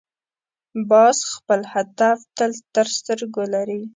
باز خپل هدف تل تر سترګو لري